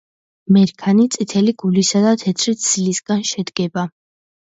მერქანი წითელი გულისა და თეთრი ცილისგან შედგება.